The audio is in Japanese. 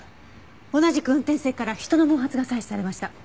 同じく運転席から人の毛髪が採取されました。